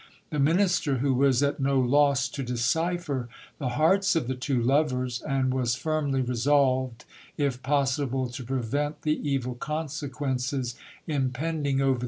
This minister, who was at no loss to decipher the hearts of the two lovers, and •vas firmly resolved, if possible, to prevent the evil consequences impending over 124 GIL BIAS.